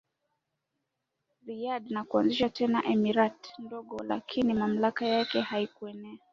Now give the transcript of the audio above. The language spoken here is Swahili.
Riyad na kuanzisha tena emirati ndogo lakini mamlaka yake haikuenea